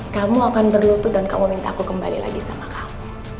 kamu akan berlutu dan kamu minta aku kembali lagi sama kamu